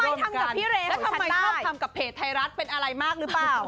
ทำกับพี่เรนแล้วทำไมชอบทำกับเพจไทยรัฐเป็นอะไรมากหรือเปล่า